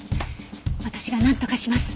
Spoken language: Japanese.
私がなんとかします。